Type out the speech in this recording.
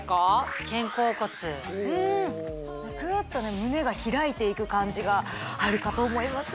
グーッとね胸が開いていく感じがあるかと思います